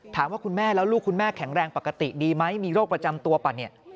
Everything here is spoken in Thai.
คุณแม่แล้วลูกคุณแม่แข็งแรงปกติดีไหมมีโรคประจำตัวป่ะเนี่ย